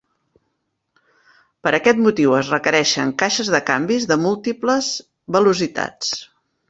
Per aquest motiu, es requereixen caixes de canvis de múltiples velocitats.